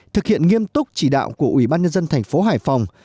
thực hiện nghiêm túc chỉ đạo của ủy ban nhân dân thành phố hải phòng